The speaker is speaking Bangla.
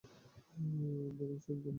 Barons von Basten.